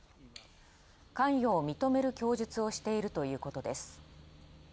関与を認める供述をしているということです。